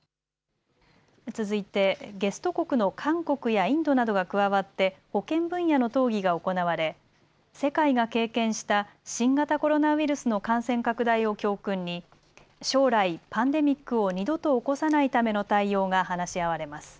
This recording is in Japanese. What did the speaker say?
続いてゲスト国の韓国やインドなどが加わって保健分野の討議が行われ世界が経験した新型コロナウイルスの感染拡大を教訓に将来、パンデミックを二度と起こさないための対応が話し合われます。